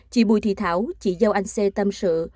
chị bùi thị thảo chị dâu anh c tâm sự